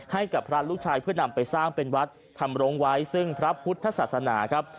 ให้กับพระลูกชายเพื่อนำไปสร้างเป็นวัดทำรงไว้ซึ่งพระพุทธศาสนาครับ